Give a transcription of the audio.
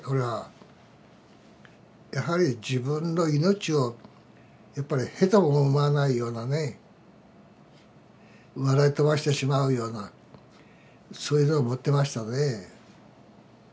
やはり自分の命をやっぱり屁とも思わないようなね笑い飛ばしてしまうようなそういうのを持ってましたね。